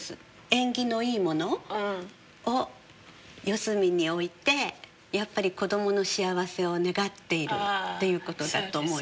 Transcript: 縁起のいいものを四隅に置いてやっぱり子どもの幸せを願っているっていう事だと思います。